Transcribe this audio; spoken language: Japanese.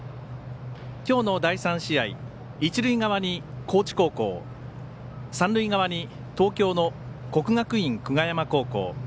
きょうの第３試合一塁側に高知高校三塁側に東京の国学院久我山高校。